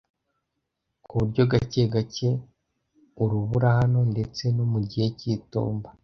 ku buryo gake gake urubura hano ndetse no mu gihe cy'itumba.